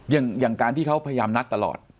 อย่างการที่เขาพยายามนัดตลอด